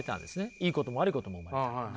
いいことも悪いことも生まれた。